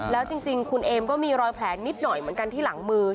แล้วจริงคุณเอมก็มีรอยแผลนิดหน่อยเหมือนกันที่หลังมือ